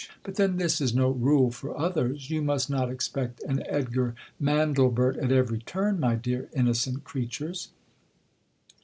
But then this is no rule for others. You must not expect an Edgar Mandlebert at every turn, my dear innocent creatures.